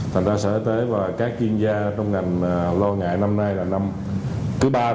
thành ra sở y tế và các chuyên gia trong ngành lo ngại năm nay là năm thứ ba